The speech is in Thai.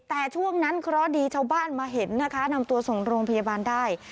แต่ช่วงนั้นเคราะห์ดีชาวบ้านมาเห็นนะคะนำตัวส่งโรงพยาบาลได้